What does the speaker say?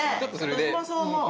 私もそう思う。